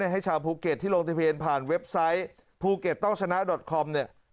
ให้ชาวภูเก็ตที่โรงที่เพลงผ่านเว็บไซต์ภูเก็ตต้องชนะคอม๘๒